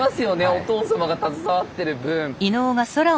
お父様が携わってる分。